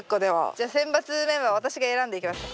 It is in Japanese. じゃあ選抜メンバー私が選んでいきますか。